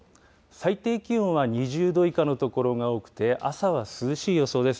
最低気温は２０度以下の所が多くて、朝は涼しい予想です。